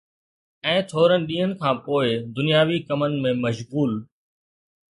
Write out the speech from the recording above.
۽ ٿورن ڏينهن کان پوءِ دنياوي ڪمن ۾ مشغول